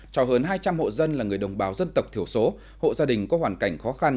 cho hơn hai trăm linh hộ dân là người đồng bào dân tộc thiểu số hộ gia đình có hoàn cảnh khó khăn